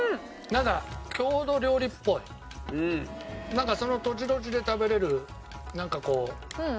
なんかその土地土地で食べられるなんかこう。